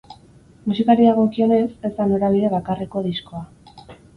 Musikari dagokionez, ez da norabide bakarreko diskoa.